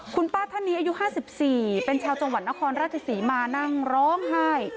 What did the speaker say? คุณป้าท่านีอายุห้าสิบสี่เป็นชาวจังหวัดนครราชสี่มานั่งร้องไห้